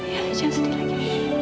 ya jangan sedih lagi